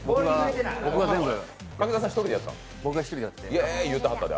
僕が一人でやって。